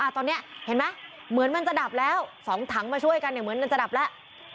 ตอนนี้เห็นไหมเหมือนมันจะดับแล้ว๒ถังมาช่วยกันเหมือนมันจะดับแล้ว